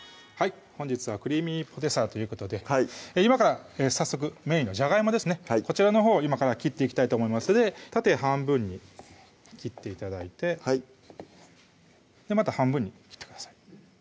本日は「クリーミーポテサラ」ということで今から早速メインのじゃがいもですねこちらのほうを今から切っていきたいと思いますので縦半分に切って頂いてはいまた半分に切ってください